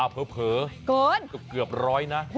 ผมว่าเกือบ๑๐๐นะ